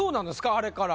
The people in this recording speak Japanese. あれから。